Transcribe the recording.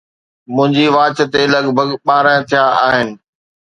منهنجي واچ تي لڳ ڀڳ ٻارهن ٿيا آهن